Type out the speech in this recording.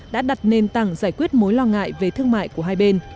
đã đặt nền tảng giải quyết mối lo ngại về thương mại của hai bên